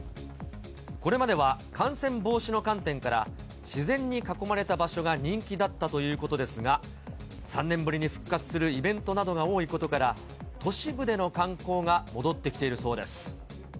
これまでは感染防止の観点から、自然に囲まれた場所が人気だったということですが、３年ぶりに復活するイベントなどが多いことから、都市部での観光が戻ってきているそうです。